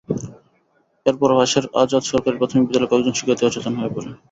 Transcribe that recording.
এরপর পাশের আজাদ সরকারি প্রাথমিক বিদ্যালয়ের কয়েকজন শিক্ষার্থী অচেতন হয়ে পড়ে।